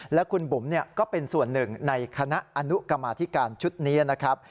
และคุณบุ๋มก็เป็นส่วนหนึ่งในคณะอนุกรรมาธิการชุดนี้นะครับ